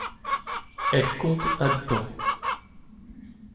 Elle compte habitants.